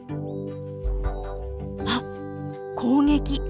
あっ攻撃！